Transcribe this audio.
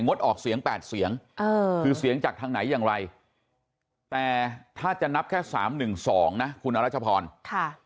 งดออกเสียง๘เสียงเออคือเสียงจากทางไหนอย่างไรแต่ถ้าจะนับแค่๓๑๒นะคุณอรัชพรค่ะ